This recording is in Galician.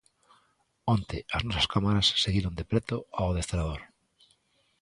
Onte as nosas cámaras seguiron de preto ao adestrador.